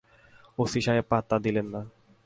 OC সাহেব পাত্তা দিলেন না।